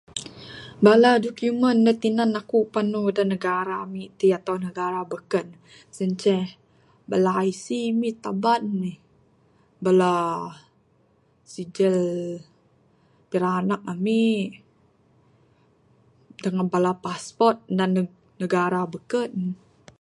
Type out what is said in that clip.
Bala document da tinan aku panu da negara ami ti ato negara beken sien ce bala IC ami taban mi bala sijil pingranak ami dangan bala passport nan neg negara beken.